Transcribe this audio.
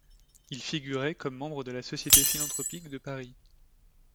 Il figurait comme membre de la Société philanthropique de Paris.